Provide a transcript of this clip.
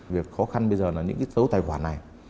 việc khó khăn bây giờ là những cái số tài khoản này